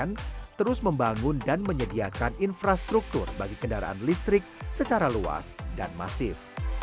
pemerintah terus membangun dan menyediakan infrastruktur bagi kendaraan listrik secara luas dan masif